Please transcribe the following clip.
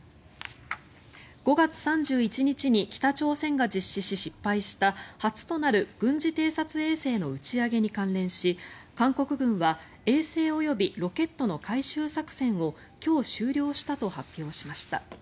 ５月３１日に北朝鮮が実施し、失敗した初となる軍事偵察衛星の打ち上げに関連し韓国軍は衛星及びロケットの回収作戦を今日終了したと発表しました。